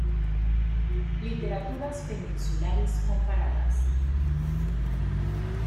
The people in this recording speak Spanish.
Literaturas peninsulares comparadas.